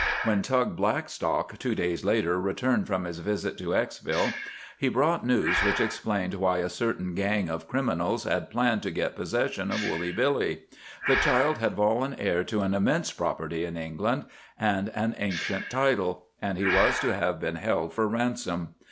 When Tug Blackstock, two days later, returned from his visit to Exville, he brought news which explained why a certain gang of criminals had planned to get possession of Woolly Billy. The child had fallen heir to an immense property in England, and an ancient title, and he was to have been held for ransom.